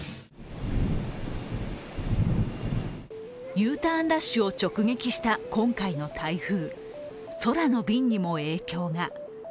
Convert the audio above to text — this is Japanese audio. Ｕターンラッシュを直撃した今回の台風空の便にも影響が。